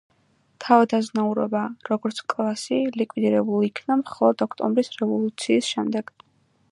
თავადაზნაურობა, როგორც კლასი, ლიკვიდირებულ იქნა მხოლოდ ოქტომბრის რევოლუციის შემდეგ.